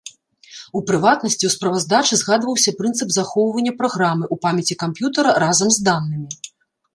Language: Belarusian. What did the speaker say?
У прыватнасці ў справаздачы згадваўся прынцып захоўвання праграмы ў памяці камп'ютара разам з данымі.